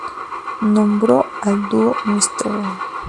Nombró al dúo: Mr.